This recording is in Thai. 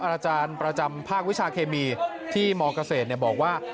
อาจารย์ประจำภาควิชาเคมีที่มเกษตรบอกว่า